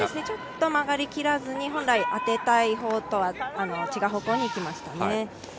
ちょっと曲がりきらずに、本来行きたい方向とは違う方向にいきましたね。